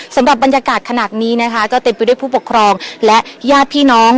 สำหรับบรรยากาศขนาดนี้นะคะก็เต็มไปด้วยผู้ปกครองและญาติพี่น้อง